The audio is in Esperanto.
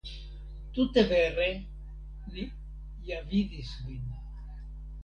Tute vere, ni ja vidis vin.